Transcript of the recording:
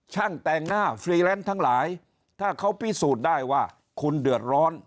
แต่งหน้าฟรีแลนซ์ทั้งหลายถ้าเขาพิสูจน์ได้ว่าคุณเดือดร้อน